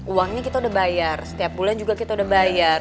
uangnya kita udah bayar setiap bulan juga kita udah bayar